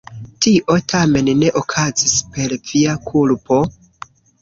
Tio tamen ne okazis per via kulpo?